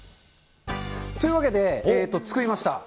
というわけで、作りました。